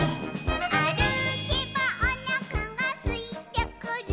「あるけばおなかがすいてくる」